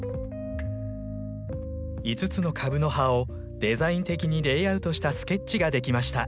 ５つの株の葉をデザイン的にレイアウトしたスケッチが出来ました。